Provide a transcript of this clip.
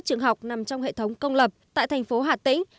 trường học nằm trong hệ thống công lập tại thành phố hà tĩnh